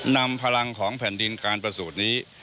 นำพลังของแผ่นดินการประสูจน์นี้